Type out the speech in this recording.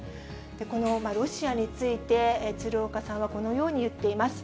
このロシアについて、鶴岡さんはこのように言っています。